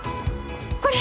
これ！